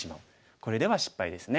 これでは失敗ですね。